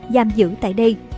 giảm giữ tại đây